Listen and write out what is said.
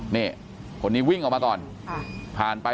นี่คนนี้วิ่งออกมาก่อนผ่านไป